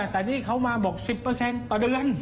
แต่นี่เขามาบอก๑๐เปอร์เซ็นต์ต่อเดือน